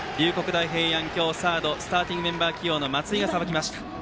大平安、今日サードスターティングメンバー起用の松井がさばきました。